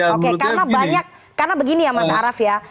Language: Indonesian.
oke karena banyak karena begini ya mas araf ya